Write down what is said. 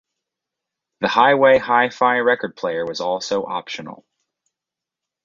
The Highway Hi-Fi record player was also optional.